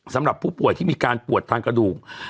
สำหรับผู้ป่วยที่มีการปวดทางกระดูก